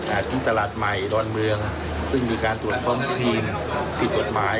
อาทิตย์ตลาดใหม่ร้อนเมืองซึ่งมีการตรวจความทีมผิดกฎหมาย